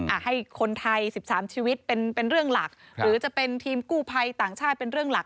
อ่ะให้คนไทย๑๓ชีวิตเป็นเป็นเรื่องหลักหรือจะเป็นทีมกู้ภัยต่างชาติเป็นเรื่องหลัก